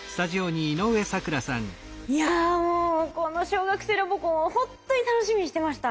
いやもうこの小学生ロボコンを本当に楽しみにしてました。